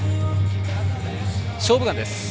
「勝負眼」です。